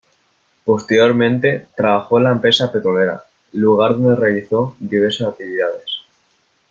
Posteriormente trabajó en la empresa petrolera, lugar donde realizó diversas actividades.